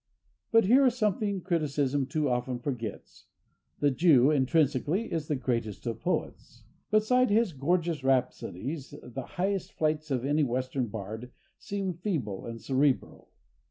But here is something criticism too often forgets: the Jew, intrinsically, is the greatest of poets. Beside his gorgeous rhapsodies the highest flights of any western bard seem feeble and cerebral.